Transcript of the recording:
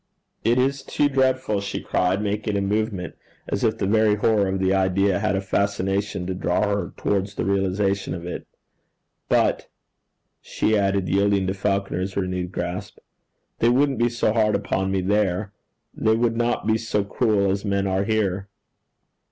'It is too dreadful!' she cried, making a movement as if the very horror of the idea had a fascination to draw her towards the realization of it. 'But,' she added, yielding to Falconer's renewed grasp, 'they wouldn't be so hard upon me there. They would not be so cruel as men are here.'